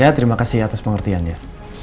ya terima kasih atas pengertian ya